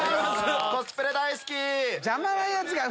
コスプレ大好き！